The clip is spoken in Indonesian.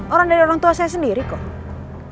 orang dari orang tua saya sendiri kok